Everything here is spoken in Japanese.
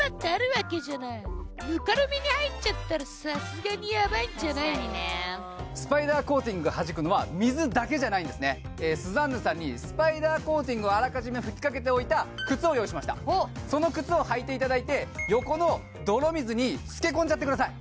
すごーいこれはすごいでもさスパイダーコーティングがはじくのはスザンヌさんにスパイダーコーティングをあらかじめ吹きかけておいた靴を用意しましたその靴を履いていただいて横の泥水につけ込んじゃってください